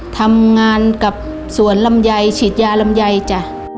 ทำงานกับสวนลำไยฉีดยาลำไยจ้ะ